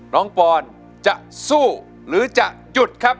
ปอนจะสู้หรือจะหยุดครับ